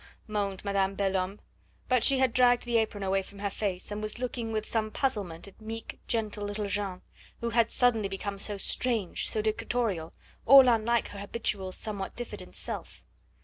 moaned Madame Belhomme. But she had dragged the apron away from her face, and was looking with some puzzlement at meek, gentle little Jeanne, who had suddenly become so strange, so dictatorial, all unlike her habitual somewhat diffident self.